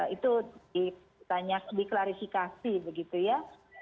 itu banyak diklarifikasi begitu ya